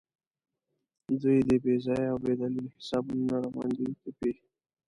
دوی دې بې ځایه او بې دلیله حسابونه نه راباندې تپي.